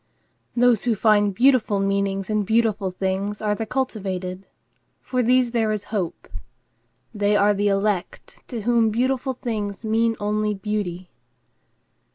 Those who find beautiful meanings in beautiful things are the cultivated. For these there is hope. They are the elect to whom beautiful things mean only beauty.